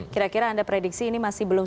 kira kira anda prediksi ini masih belum